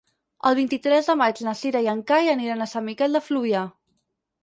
El vint-i-tres de maig na Cira i en Cai aniran a Sant Miquel de Fluvià.